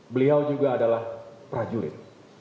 beliau juga adalah prajurit